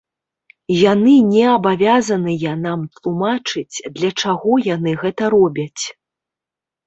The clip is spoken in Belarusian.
Яны не абавязаныя нам тлумачыць, для чаго яны гэта робяць.